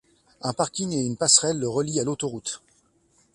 Un parking et une passerelle le relient à l'autoroute.